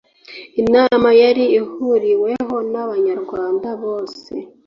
inama yari ihuriweho n abanyarwanda bose